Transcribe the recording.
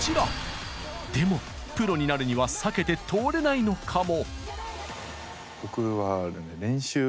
でもプロになるには避けて通れないのかも！